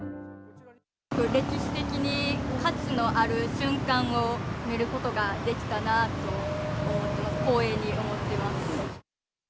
歴史的に価値のある瞬間を見ることができたなと思って、光栄に思っています。